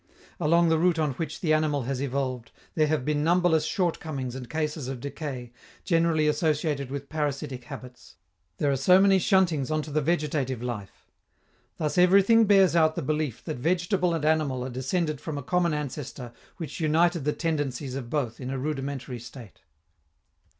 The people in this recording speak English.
Along the route on which the animal has evolved, there have been numberless shortcomings and cases of decay, generally associated with parasitic habits; they are so many shuntings on to the vegetative life. Thus, everything bears out the belief that vegetable and animal are descended from a common ancestor which united the tendencies of both in a rudimentary state.